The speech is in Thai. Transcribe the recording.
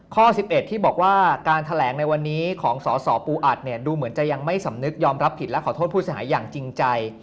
ข้อ๑๑ที่บอกว่าการแถลงในวันนี้ของสสปูอัดเนี่ยดูเหมือนจะยังไม่สำนึกยอมรับผิดและขอโทษผู้เสียหายอย่างจริงใจ